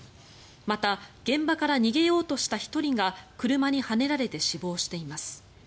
また現場から逃げようとした１人が車にはねられて死亡しています。